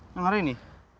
yang hari ini